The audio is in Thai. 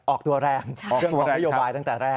ออกตัวแรงเหยอวบายตั้งแต่แรก